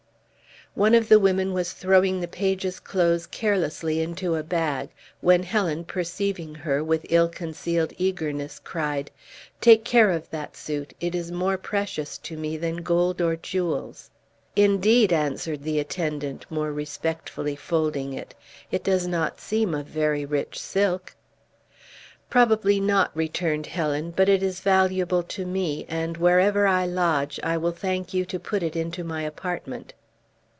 One of the women was throwing the page's clothes carelessly into a bag, when Helen perceiving her, with ill concealed eagerness, cried: "Take care of that suit, it is more precious to me than gold or jewels." "Indeed!" answered the attendant, more respectfully folding it; "it does not seem of very rich silk." "Probably not," returned Helen, "but it is valuable to me, and wherever I lodge, I will thank you to put it into my apartment."